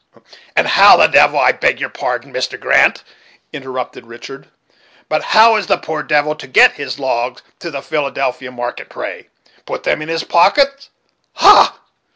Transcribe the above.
"And how the devil I beg your pardon, Mr. Grant," interrupted Richard: "but how is the poor devil to get his logs to the Philadelphia market, pray? put them in his pocket, ha!